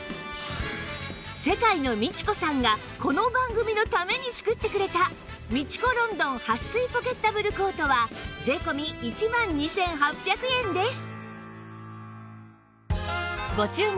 世界のミチコさんがこの番組のために作ってくれたミチコロンドン撥水ポケッタブルコートは税込１万２８００円です